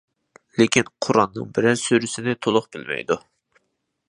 لېكىن قۇرئاننىڭ بىرەر سۈرىسىنى تولۇق بىلمەيدۇ.